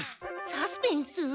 サスペンス？